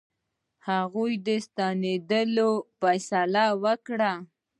هغه د ستنېدلو فیصله وکړه.